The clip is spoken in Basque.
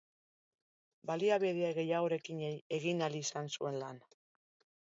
Baliabide gehiagorekin egin ahal izan zuen lan.